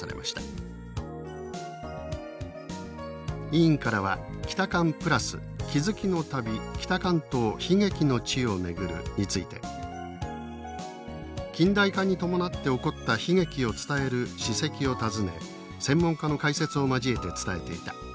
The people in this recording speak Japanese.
委員からはキタカン＋「“気づき”の旅北関東悲劇の地を巡る」について「近代化に伴って起こった悲劇を伝える史跡を訪ね専門家の解説を交えて伝えていた。